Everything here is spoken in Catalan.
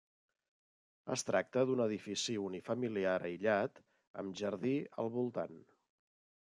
Es tracta d'un edifici unifamiliar aïllat amb jardí al voltant.